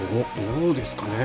うですかね？